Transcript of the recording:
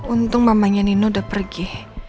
untung mamanya nino udah pergi